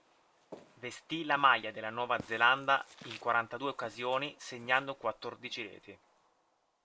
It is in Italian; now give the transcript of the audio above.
Vestì la maglia della Nuova Zelanda in quarantadue occasioni segnando quattordici reti.